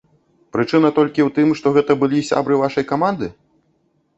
Прычына толькі ў тым, што гэта былі сябры вашай каманды?